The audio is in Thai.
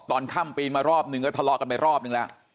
ตอนค่ำปีนมารอบนึงก็ทะเลาะกันไปรอบนึงแล้ว